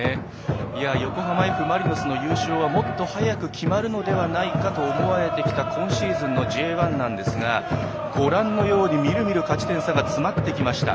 横浜Ｆ・マリノスの優勝はもっと早く決まるのではないかと思われてきた今シーズンのＪ１ですがご覧のように見る見る勝ち点差が詰まってきました。